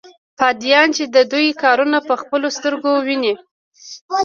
فدايان چې د دوى کارونه په خپلو سترګو وويني.